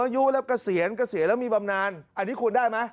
สูงอายุแล้วก็เสียแล้วมีบำนานอันนี้ควรได้ไหม